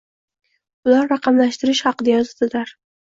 ular raqamlashtirish haqida yozadilar.